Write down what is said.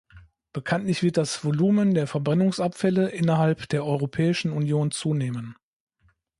Bekanntlich wird das Volumen der Verbrennungsabfälle innerhalb der Europäischen Union zunehmen.